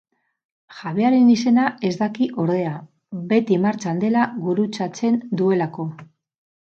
Jabearen izena ez daki ordea, beti martxan dela gurutzarzen duelako.